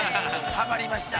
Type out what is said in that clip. ハマりました。